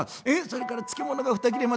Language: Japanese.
それから漬物が２切れ